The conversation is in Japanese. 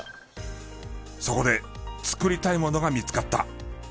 そこで作りたいものが見つかった。